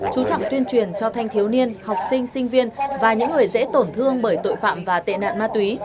chú trọng tuyên truyền cho thanh thiếu niên học sinh sinh viên và những người dễ tổn thương bởi tội phạm và tệ nạn ma túy